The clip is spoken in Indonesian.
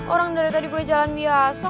orang dari tadi gue jalan biasa